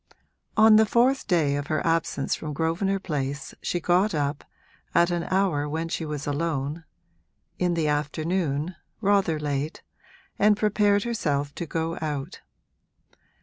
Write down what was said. On the fourth day of her absence from Grosvenor Place she got up, at an hour when she was alone (in the afternoon, rather late), and prepared herself to go out.